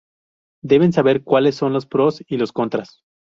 Deben saber cuáles son los pros y los contras.